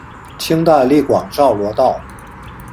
清代隶广肇罗道。